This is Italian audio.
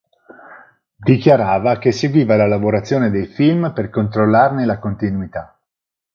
Dichiarava che seguiva la lavorazione dei film per controllarne la continuità.